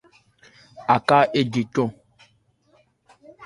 Aká éje cɔn.